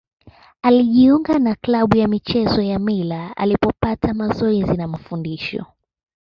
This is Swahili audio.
Alijiunga na klabu ya michezo ya Mila alipopata mazoezi na mafundisho.